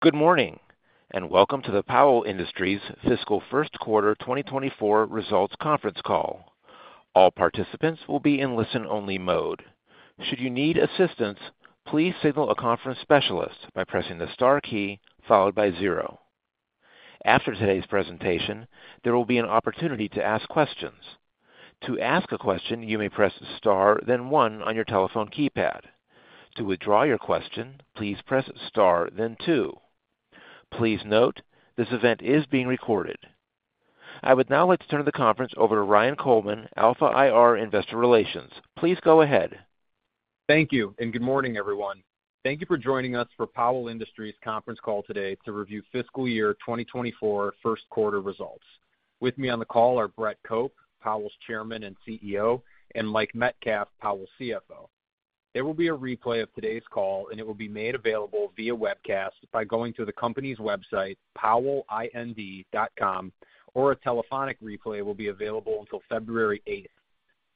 Good morning, and welcome to the Powell Industries Fiscal Q1 2024 Results Conference Call. All participants will be in listen-only mode. Should you need assistance, please signal a conference specialist by pressing the star key followed by zero. After today's presentation, there will be an opportunity to ask questions. To ask a question, you may press star, then one on your telephone keypad. To withdraw your question, please press star, then two. Please note, this event is being recorded. I would now like to turn the conference over to Ryan Coleman, Alpha IR, Investor Relations. Please go ahead. Thank you, and good morning, everyone. Thank you for joining us for Powell Industries conference call today to review fiscal year 2024 Q1 results. With me on the call are Brett Cope, Powell's Chairman and CEO, and Mike Metcalf, Powell's CFO. There will be a replay of today's call and it will be made available via webcast by going to the company's website, powellind.com, or a telephonic replay will be available until February 8.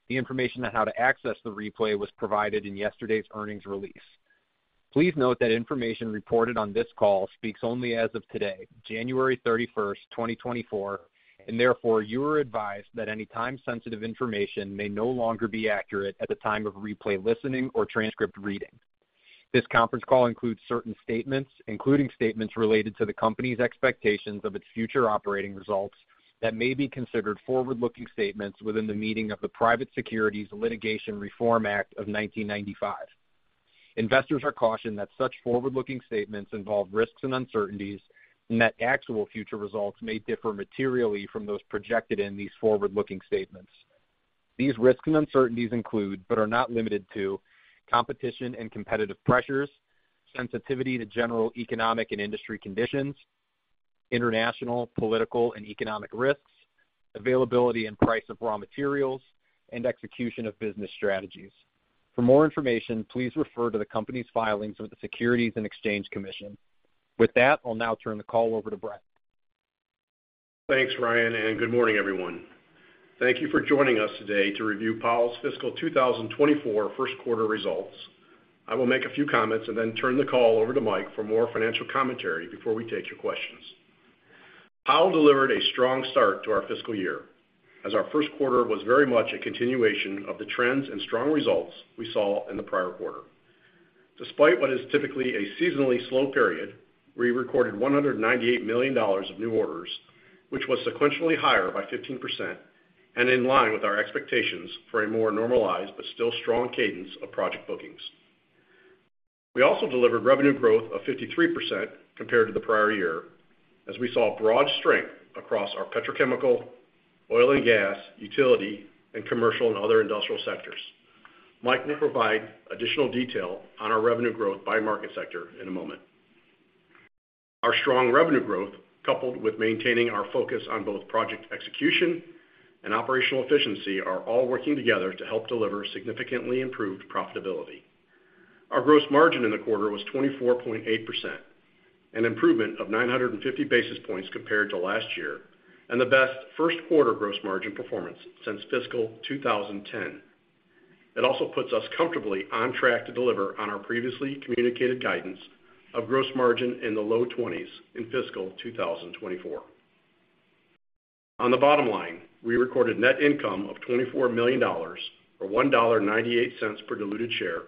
The information on how to access the replay was provided in yesterday's earnings release. Please note that information reported on this call speaks only as of today, January 31, 2024, and therefore, you are advised that any time-sensitive information may no longer be accurate at the time of replay, listening, or transcript reading. This conference call includes certain statements, including statements related to the company's expectations of its future operating results that may be considered forward-looking statements within the meaning of the Private Securities Litigation Reform Act of 1995. Investors are cautioned that such forward-looking statements involve risks and uncertainties, and that actual future results may differ materially from those projected in these forward-looking statements. These risks and uncertainties include, but are not limited to, competition and competitive pressures, sensitivity to general economic and industry conditions, international, political, and economic risks, availability and price of raw materials, and execution of business strategies. For more information, please refer to the company's filings with the Securities and Exchange Commission. With that, I'll now turn the call over to Brett. Thanks, Ryan, and good morning, everyone. Thank you for joining us today to review Powell's fiscal 2024 Q1 results. I will make a few comments and then turn the call over to Mike for more financial commentary before we take your questions. Powell delivered a strong start to our fiscal year, as our Q1 was very much a continuation of the trends and strong results we saw in the prior quarter. Despite what is typically a seasonally slow period, we recorded $198 million of new orders, which was sequentially higher by 15% and in line with our expectations for a more normalized but still strong cadence of project bookings. We also delivered revenue growth of 53% compared to the prior year, as we saw broad strength across our petrochemical, oil and gas, utility, and commercial and other industrial sectors. Mike will provide additional detail on our revenue growth by market sector in a moment. Our strong revenue growth, coupled with maintaining our focus on both project execution and operational efficiency, are all working together to help deliver significantly improved profitability. Our gross margin in the quarter was 24.8%, an improvement of 950 basis points compared to last year, and the best Q1 gross margin performance since fiscal 2010. It also puts us comfortably on track to deliver on our previously communicated guidance of gross margin in the low 20s in fiscal 2024. On the bottom line, we recorded net income of $24 million, or $1.98 per diluted share,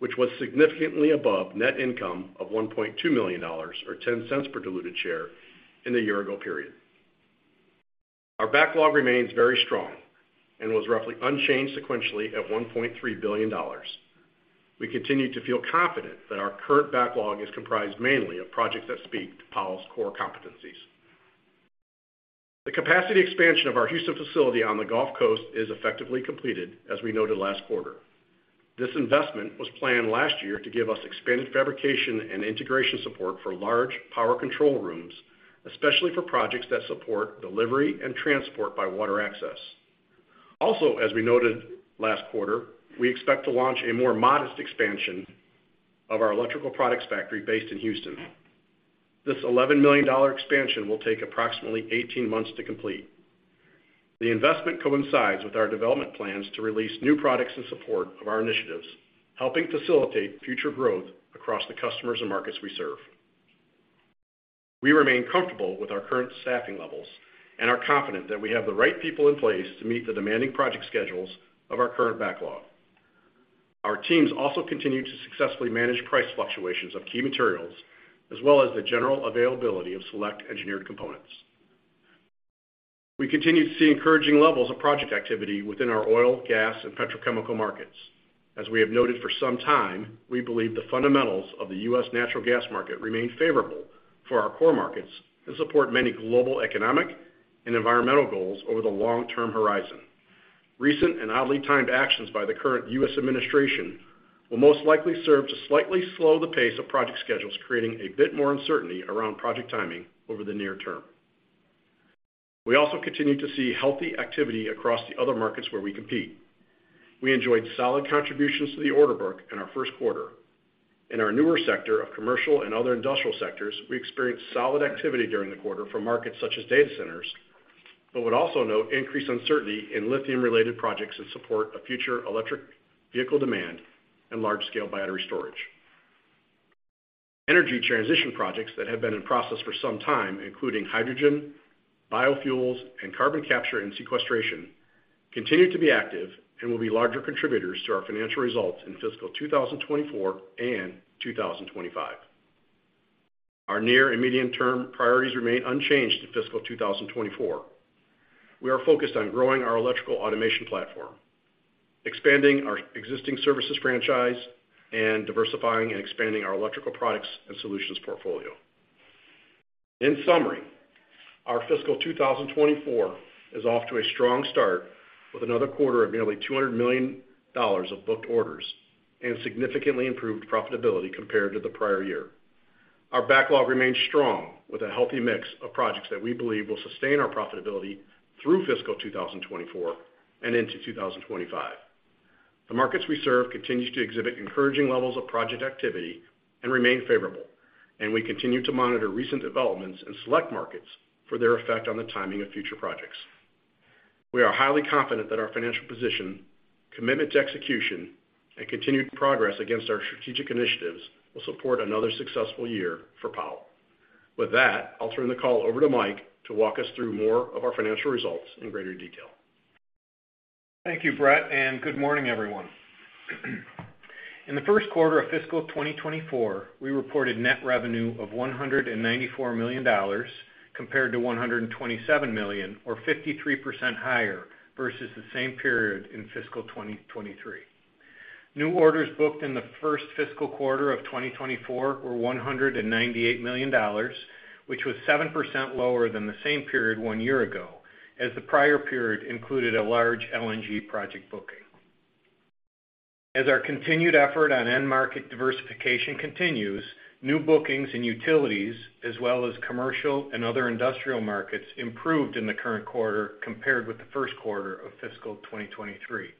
which was significantly above net income of $1.2 million or $0.10 per diluted share in the year ago period. Our backlog remains very strong and was roughly unchanged sequentially at $1.3 billion. We continue to feel confident that our current backlog is comprised mainly of projects that speak to Powell's core competencies. The capacity expansion of our Houston facility on the Gulf Coast is effectively completed, as we noted last quarter. This investment was planned last year to give us expanded fabrication and integration support for large power control rooms, especially for projects that support delivery and transport by water access. Also, as we noted last quarter, we expect to launch a more modest expansion of our electrical products factory based in Houston. This $11 million expansion will take approximately 18 months to complete. The investment coincides with our development plans to release new products in support of our initiatives, helping facilitate future growth across the customers and markets we serve. We remain comfortable with our current staffing levels and are confident that we have the right people in place to meet the demanding project schedules of our current backlog. Our teams also continue to successfully manage price fluctuations of key materials, as well as the general availability of select engineered components. We continue to see encouraging levels of project activity within our oil, gas, and petrochemical markets. As we have noted for some time, we believe the fundamentals of the US natural gas market remain favorable for our core markets and support many global, economic, and environmental goals over the long-term horizon. Recent and oddly timed actions by the current US administration will most likely serve to slightly slow the pace of project schedules, creating a bit more uncertainty around project timing over the near term. We also continue to see healthy activity across the other markets where we compete. We enjoyed solid contributions to the order book in our Q1. In our newer sector of commercial and other industrial sectors, we experienced solid activity during the quarter from markets such as data centers, but would also note increased uncertainty in lithium-related projects that support a future electric vehicle demand and large-scale battery storage. Energy transition projects that have been in process for some time, including hydrogen, biofuels, and carbon capture and sequestration, continue to be active and will be larger contributors to our financial results in fiscal 2024 and 2025. Our near and medium-term priorities remain unchanged in fiscal 2024. We are focused on growing our electrical automation platform, expanding our existing services franchise, and diversifying and expanding our electrical products and solutions portfolio. In summary, our fiscal 2024 is off to a strong start, with another quarter of nearly $200 million of booked orders and significantly improved profitability compared to the prior year. Our backlog remains strong, with a healthy mix of projects that we believe will sustain our profitability through fiscal 2024 and into 2025. The markets we serve continue to exhibit encouraging levels of project activity and remain favorable, and we continue to monitor recent developments in select markets for their effect on the timing of future projects. We are highly confident that our financial position, commitment to execution, and continued progress against our strategic initiatives will support another successful year for Powell. With that, I'll turn the call over to Mike to walk us through more of our financial results in greater detail. Thank you, Brett, and good morning, everyone. In the Q1 of fiscal 2024, we reported net revenue of $194 million, compared to $127 million, or 53% higher versus the same period in fiscal 2023. New orders booked in the first fiscal quarter of 2024 were $198 million, which was 7% lower than the same period one year ago, as the prior period included a large LNG project booking. As our continued effort on end-market diversification continues, new bookings and utilities, as well as commercial and other industrial markets, improved in the current quarter compared with the Q1 of fiscal 2023.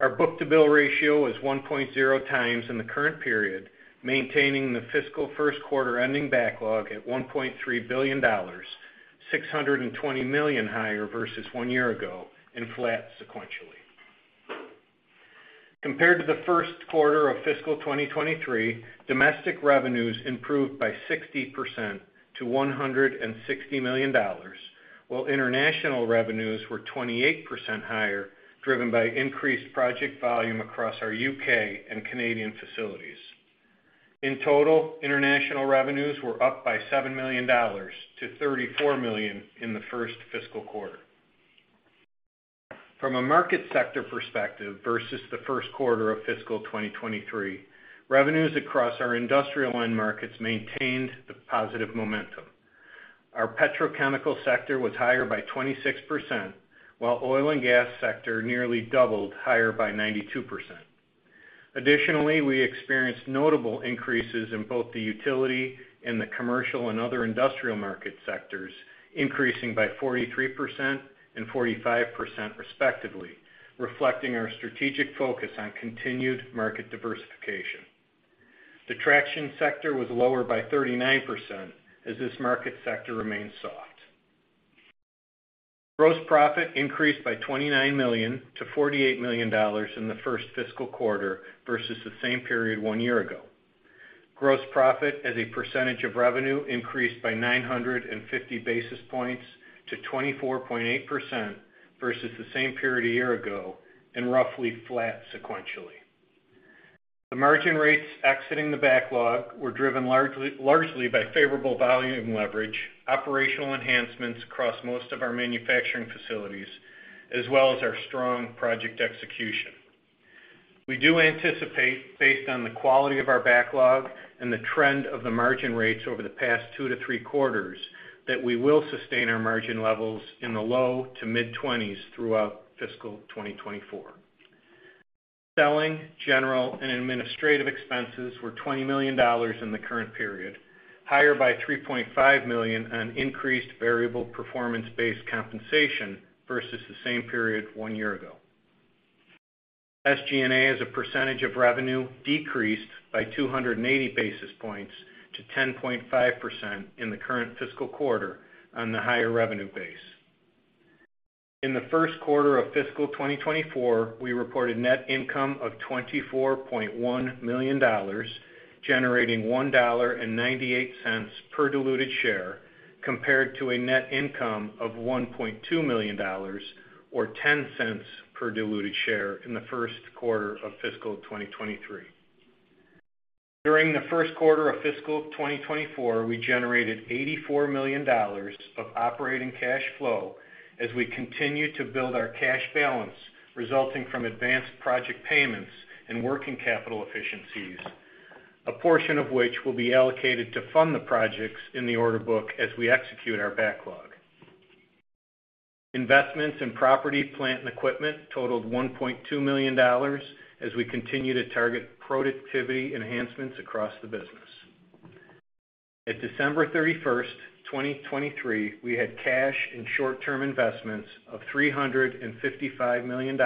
Our book-to-bill ratio is 1.0x in the current period, maintaining the fiscal Q1 ending backlog at $1.3 billion, $620 million higher versus one year ago, and flat sequentially. Compared to the Q1 of fiscal 2023, domestic revenues improved by 60% to $160 million, while international revenues were 28% higher, driven by increased project volume across our UK and Canadian facilities. In total, international revenues were up by $7 million to $34 million in the first fiscal quarter. From a market sector perspective, versus the Q1 of fiscal 2023, revenues across our industrial end markets maintained the positive momentum. Our petrochemical sector was higher by 26%, while oil and gas sector nearly doubled, higher by 92%. Additionally, we experienced notable increases in both the utility and the commercial and other industrial market sectors, increasing by 43% and 45%, respectively, reflecting our strategic focus on continued market diversification. The traction sector was lower by 39%, as this market sector remains soft. Gross profit increased by $29-$48 million in the first fiscal quarter versus the same period one year ago. Gross profit, as a percentage of revenue, increased by 950 basis points to 24.8% versus the same period a year ago, and roughly flat sequentially. The margin rates exiting the backlog were driven largely by favorable volume leverage, operational enhancements across most of our manufacturing facilities, as well as our strong project execution. We do anticipate, based on the quality of our backlog and the trend of the margin rates over the past two to three quarters, that we will sustain our margin levels in the low- to mid-20s throughout fiscal 2024. Selling, general, and administrative expenses were $20 million in the current period, higher by $3.5 million on increased variable performance-based compensation versus the same period one year ago. SG&A, as a percentage of revenue, decreased by 280 basis points to 10.5% in the current fiscal quarter on the higher revenue base. In the Q1 of fiscal 2024, we reported net income of $24.1 million, generating $1.98 per diluted share, compared to a net income of $1.2 million, or $0.10 per diluted share in the Q1 of fiscal 2023. During the Q1 of fiscal 2024, we generated $84 million of operating cash flow as we continue to build our cash balance, resulting from advanced project payments and working capital efficiencies, a portion of which will be allocated to fund the projects in the order book as we execute our backlog. Investments in property, plant, and equipment totaled $1.2 million, as we continue to target productivity enhancements across the business. At December 31, 2023, we had cash and short-term investments of $355 million,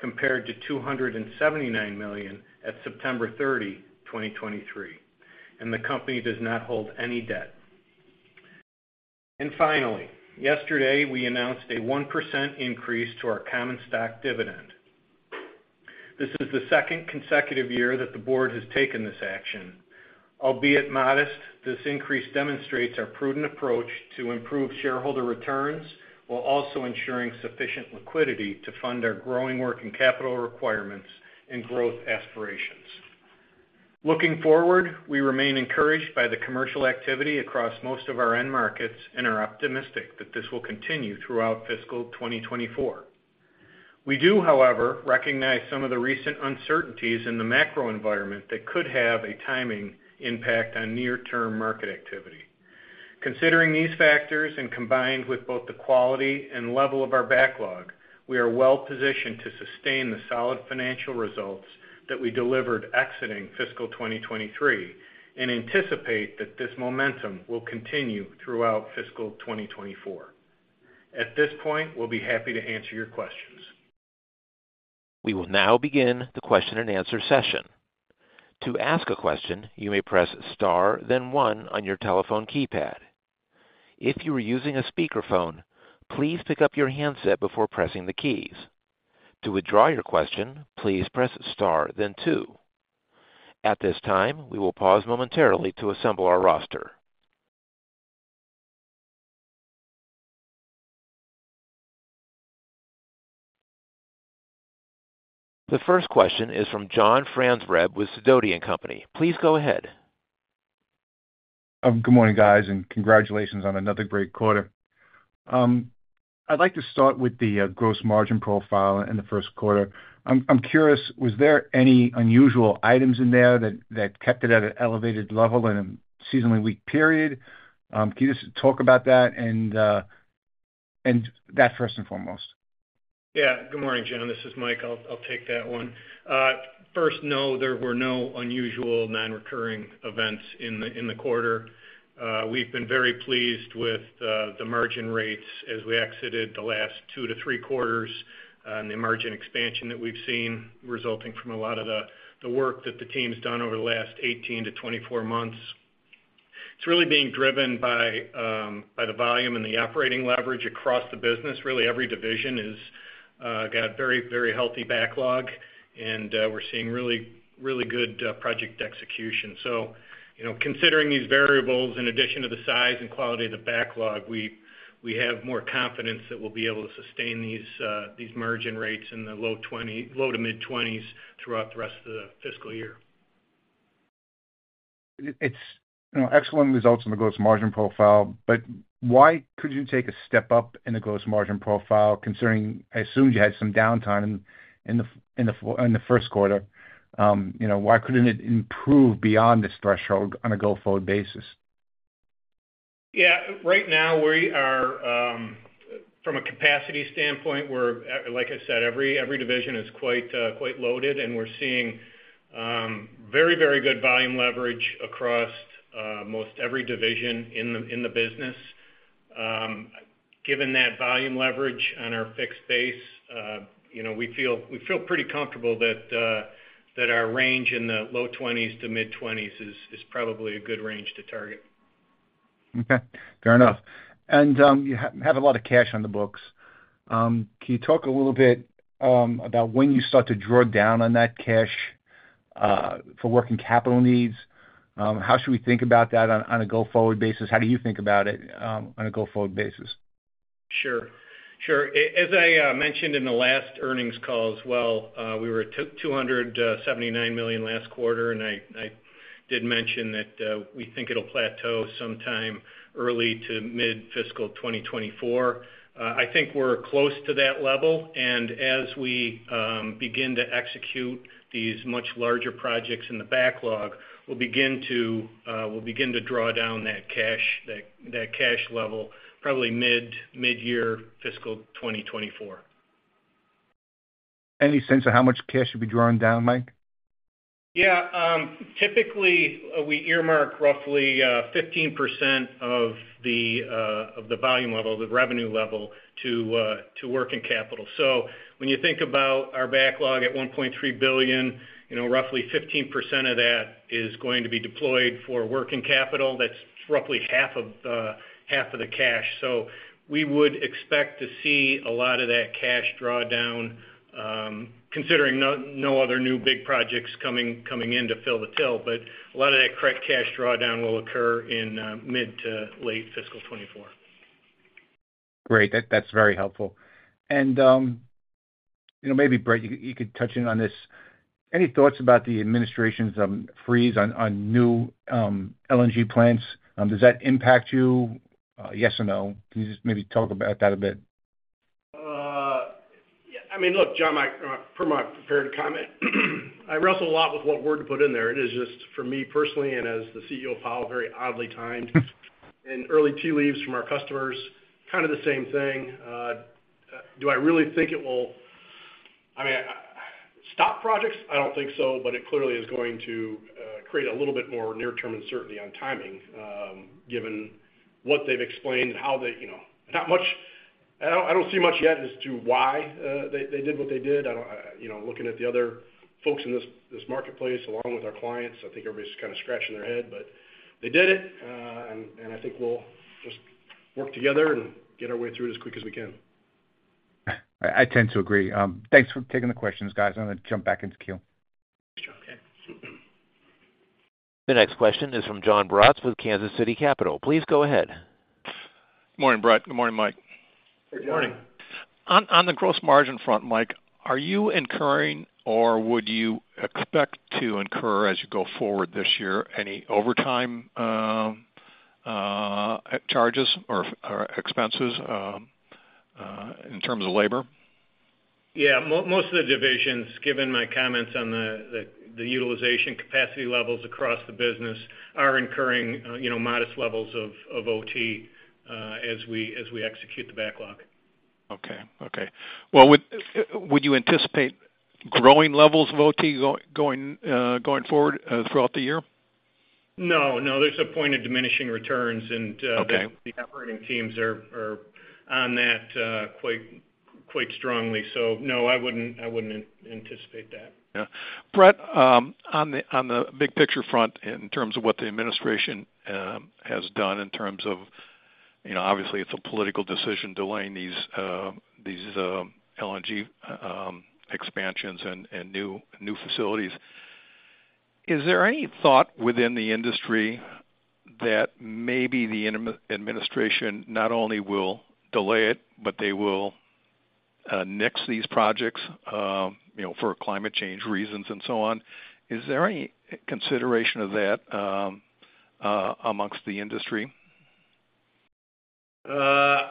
compared to $279 million at September 30, 2023, and the company does not hold any debt. Finally, yesterday, we announced a 1% increase to our common stock dividend. This is the second consecutive year that the board has taken this action. Albeit modest, this increase demonstrates our prudent approach to improve shareholder returns, while also ensuring sufficient liquidity to fund our growing working capital requirements and growth aspirations. Looking forward, we remain encouraged by the commercial activity across most of our end markets and are optimistic that this will continue throughout fiscal 2024. We do, however, recognize some of the recent uncertainties in the macro environment that could have a timing impact on near-term market activity. Considering these factors, and combined with both the quality and level of our backlog, we are well positioned to sustain the solid financial results that we delivered exiting fiscal 2023, and anticipate that this momentum will continue throughout fiscal 2024. At this point, we'll be happy to answer your questions. We will now begin the question-and-answer session. To ask a question, you may press star, then one on your telephone keypad. If you are using a speakerphone, please pick up your handset before pressing the keys. To withdraw your question, please press star then two. At this time, we will pause momentarily to assemble our roster. The first question is from John Franzreb with Sidoti & Company. Please go ahead. Good morning, guys, and congratulations on another great quarter. I'd like to start with the gross margin profile in the Q1. I'm curious, was there any unusual items in there that kept it at an elevated level in a seasonally weak period? Can you just talk about that, first and foremost? Yeah. Good morning, John. This is Mike. I'll, I'll take that one. First, no, there were no unusual non-recurring events in the quarter. We've been very pleased with the margin rates as we exited the last two to three quarters, and the margin expansion that we've seen, resulting from a lot of the work that the team's done over the last 18-24 months. It's really being driven by the volume and the operating leverage across the business. Really, every division is got very, very healthy backlog, and we're seeing really, really good project execution. You know, considering these variables, in addition to the size and quality of the backlog, we have more confidence that we'll be able to sustain these margin rates in the low 20%, low- to mid-20s% throughout the rest of the fiscal year. It's, you know, excellent results on the gross margin profile, but why could you take a step up in the gross margin profile, considering, I assume you had some downtime in the Q1? You know, why couldn't it improve beyond this threshold on a go-forward basis? Yeah. Right now, we are from a capacity standpoint, we're like I said, every division is quite loaded, and we're seeing very, very good volume leverage across most every division in the business. Given that volume leverage on our fixed base, you know, we feel pretty comfortable that our range in the low 20s-mid 20s is probably a good range to target. Okay, fair enough. And, you have a lot of cash on the books. Can you talk a little bit about when you start to draw down on that cash for working capital needs? How should we think about that on a go-forward basis? How do you think about it on a go-forward basis? Sure. Sure. As I mentioned in the last earnings call as well, we were at $279 million last quarter, and I did mention that we think it'll plateau sometime early to mid-fiscal 2024. I think we're close to that level, and as we begin to execute these much larger projects in the backlog, we'll begin to draw down that cash, that cash level, probably mid-year fiscal 2024. Any sense of how much cash you'll be drawing down, Mike? Yeah, typically, we earmark roughly 15% of the volume level, the revenue level, to working capital. So when you think about our backlog at $1.3 billion, you know, roughly 15% of that is going to be deployed for working capital. That's roughly half of half of the cash. So we would expect to see a lot of that cash draw down, considering no other new big projects coming in to fill the till, but a lot of that correct cash draw down will occur in mid to late fiscal 2024. Great. That's very helpful. And, you know, maybe, Brett, you could touch in on this. Any thoughts about the administration's freeze on new LNG plants? Does that impact you, yes or no? Can you just maybe talk about that a bit? Yeah, I mean, look, John, my per my prepared comment, I wrestle a lot with what word to put in there. It is just, for me personally and as the CEO of Powell, very oddly timed. And early tea leaves from our customers, kind of the same thing. Do I really think it will, I mean, stop projects? I don't think so, but it clearly is going to create a little bit more near-term uncertainty on timing, given what they've explained, how they, you know, not much- I don't, I don't see much yet as to why they did what they did. I don't, you know, looking at the other folks in this marketplace, along with our clients, I think everybody's kind of scratching their head, but they did it. And, and I think we'll just work together and get our way through it as quick as we can. I tend to agree. Thanks for taking the questions, guys. I'm gonna jump back into queue. The next question is from Jon Braatz with Kansas City Capital. Please go ahead. Good morning, Brett. Good morning, Mike. Good morning. On the gross margin front, Mike, are you incurring, or would you expect to incur, as you go forward this year, any overtime charges or expenses in terms of labor? Yeah, most of the divisions, given my comments on the utilization capacity levels across the business, are incurring, you know, modest levels of OT, as we execute the backlog. Okay. Okay. Well, would you anticipate growing levels of OT going forward throughout the year? No, no, there's a point of diminishing returns, and the operating teams are on that quite strongly. So no, I wouldn't anticipate that. Yeah. Brett, on the big picture front, in terms of what the administration has done, in terms of, you know, obviously, it's a political decision delaying these LNG expansions and new facilities. Is there any thought within the industry that maybe the administration not only will delay it, but they will nix these projects, you know, for climate change reasons and so on? Is there any consideration of that amongst the industry? I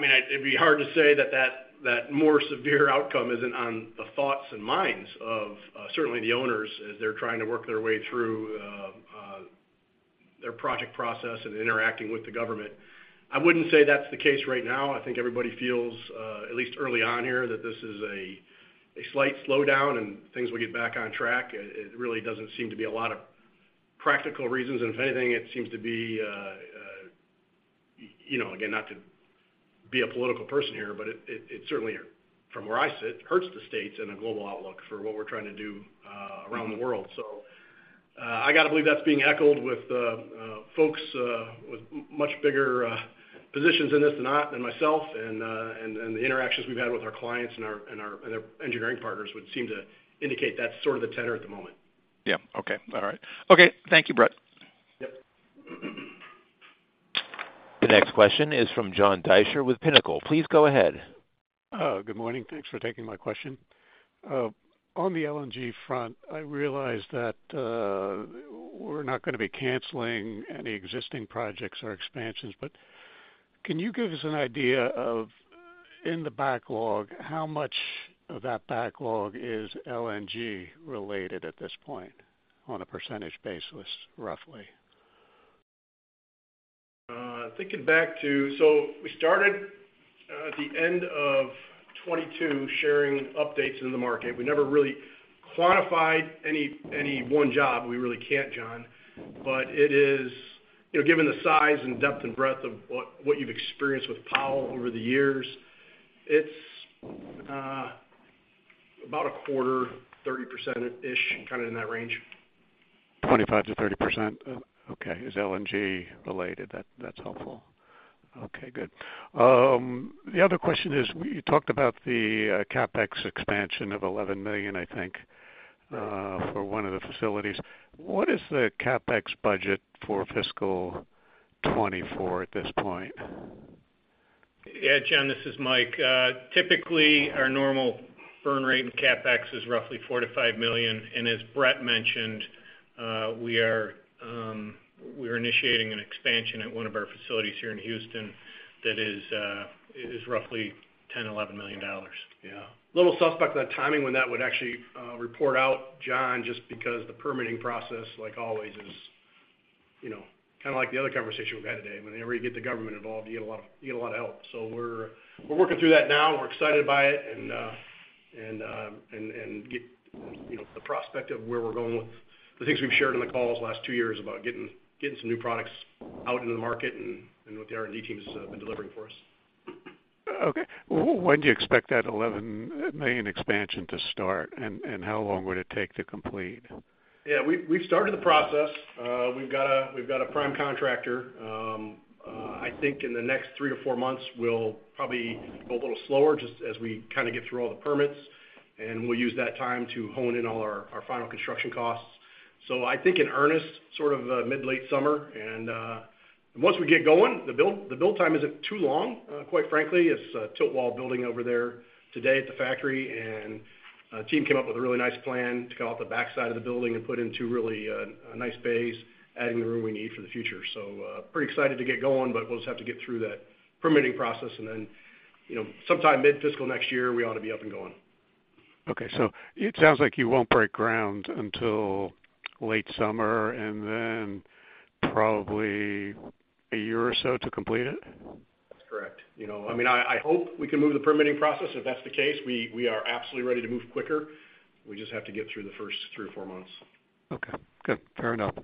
mean, it'd be hard to say that more severe outcome isn't on the thoughts and minds of certainly the owners as they're trying to work their way through their project process and interacting with the government. I wouldn't say that's the case right now. I think everybody feels at least early on here that this is a slight slowdown, and things will get back on track. It really doesn't seem to be a lot of practical reasons. And if anything, it seems to be you know, again, not to be a political person here, but it certainly, from where I sit, hurts the states in a global outlook for what we're trying to do around the world. So, I gotta believe that's being echoed with folks with much bigger positions in this than I, than myself. And the interactions we've had with our clients and our engineering partners would seem to indicate that's sort of the tenor at the moment. Yeah. Okay. All right. Okay, thank you, Brett. The next question is from John Deysher with Pinnacle. Please go ahead. Good morning. Thanks for taking my question. On the LNG front, I realize that we're not gonna be canceling any existing projects or expansions, but can you give us an idea of, in the backlog, how much of that backlog is LNG related at this point, on a percentage basis, roughly? Thinking back to... So we started at the end of 2022, sharing updates in the market. We never really quantified any one job. We really can't, John, but it is, you know, given the size and depth and breadth of what you've experienced with Powell over the years, it's about 25%, 30%-ish, kind of in that range. 25%-30%? Okay, is LNG related. That, that's helpful. Okay, good. The other question is, you talked about the CapEx expansion of $11 million, I think, for one of the facilities. What is the CapEx budget for fiscal 2024 at this point? Yeah, John, this is Mike. Typically, our normal burn rate in CapEx is roughly $4 million-$5 million. And as Brett mentioned, we are initiating an expansion at one of our facilities here in Houston that is roughly $10-$11 million. Yeah. A little suspect on the timing when that would actually report out, John, just because the permitting process, like always, is, you know, kind of like the other conversation we've had today. Whenever you get the government involved, you get a lot of, you get a lot of help. So we're working through that now. We're excited by it, and you know the prospect of where we're going with the things we've shared on the calls the last two years about getting some new products out into the market and what the R&D team has been delivering for us. Okay. When do you expect that $11 million expansion to start? And how long would it take to complete? Yeah, we've, we've started the process. We've got a, we've got a prime contractor. I think in the next three to four months, we'll probably go a little slower just as we kind of get through all the permits, and we'll use that time to hone in all our, our final construction costs. So I think in earnest, sort of, mid-late summer. And, once we get going, the build, the build time isn't too long, quite frankly. It's a tilt-wall building over there today at the factory, and, the team came up with a really nice plan to come off the backside of the building and put in two really, a nice base, adding the room we need for the future. Pretty excited to get going, but we'll just have to get through that permitting process, and then, you know, sometime mid-fiscal next year, we ought to be up and going. Okay, so it sounds like you won't break ground until late summer, and then probably a year or so to complete it? That's correct. You know, I mean, I hope we can move the permitting process. If that's the case, we are absolutely ready to move quicker. We just have to get through the first three or four months. Okay, good. Fair enough.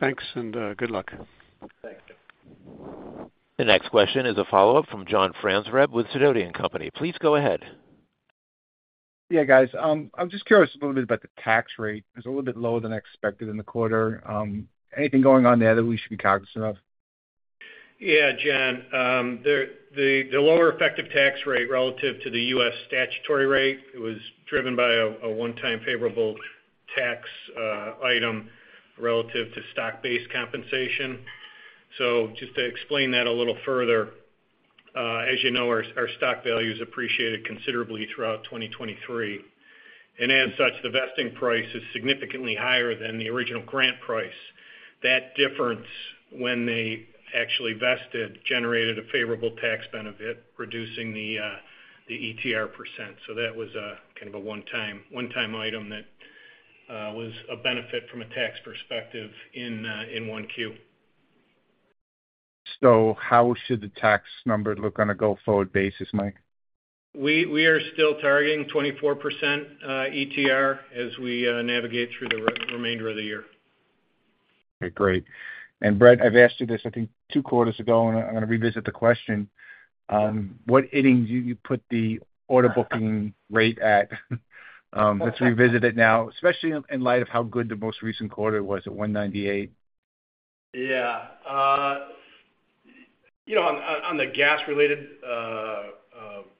Thanks and good luck. Thanks. The next question is a follow-up from John Franzreb with Sidoti & Company. Please go ahead. Yeah, guys. I'm just curious a little bit about the tax rate. It's a little bit lower than expected in the quarter. Anything going on there that we should be cognizant of? Yeah, John. The lower effective tax rate relative to the US statutory rate, it was driven by a one-time favorable tax item relative to stock-based compensation. So just to explain that a little further, as you know, our stock values appreciated considerably throughout 2023, and as such, the vesting price is significantly higher than the original grant price. That difference, when they actually vested, generated a favorable tax benefit, reducing the ETR %. So that was a kind of a one-time item that was a benefit from a tax perspective in 1Q. How should the tax number look on a go-forward basis, Mike? We are still targeting 24% ETR as we navigate through the remainder of the year. Okay, great. And Brett, I've asked you this, I think two quarters ago, and I'm gonna revisit the question: what innings do you put the order booking rate at? Let's revisit it now, especially in light of how good the most recent quarter was at $198. Yeah. You know, on the gas-related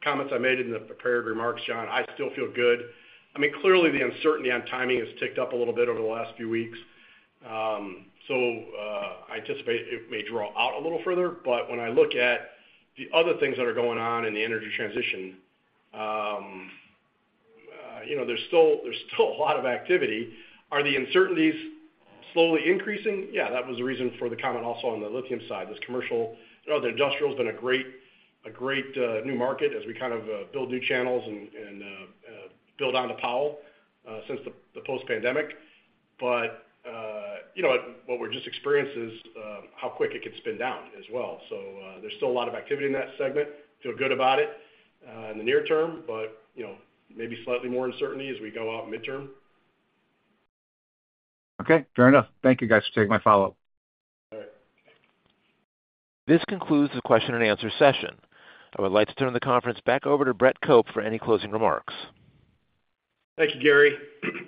comments I made in the prepared remarks, John, I still feel good. I mean, clearly, the uncertainty on timing has ticked up a little bit over the last few weeks. So, I anticipate it may draw out a little further, but when I look at the other things that are going on in the energy transition, you know, there's still, there's still a lot of activity. Are the uncertainties slowly increasing? Yeah, that was the reason for the comment also on the lithium side. This commercial, you know, the industrial's been a great, a great new market as we kind of build new channels and build on to Powell since the post-pandemic. But, you know, what we're just experiencing is, how quick it can spin down as well. So, there's still a lot of activity in that segment. Feel good about it, in the near term, but, you know, maybe slightly more uncertainty as we go out midterm. Okay, fair enough. Thank you, guys, for taking my follow-up. All right. This concludes the question and answer session. I would like to turn the conference back over to Brett Cope for any closing remarks. Thank you, Gary.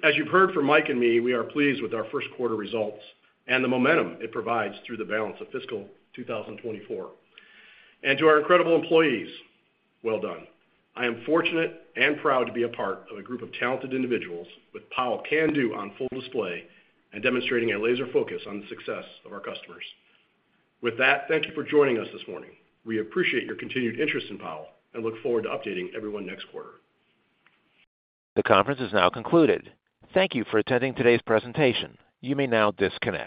As you've heard from Mike and me, we are pleased with our Q1 results and the momentum it provides through the balance of fiscal 2024. To our incredible employees, well done. I am fortunate and proud to be a part of a group of talented individuals with Powell Can Do on full display and demonstrating a laser focus on the success of our customers. With that, thank you for joining us this morning. We appreciate your continued interest in Powell, and look forward to updating everyone next quarter. The conference is now concluded. Thank you for attending today's presentation. You may now disconnect.